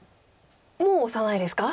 もうオサないですか？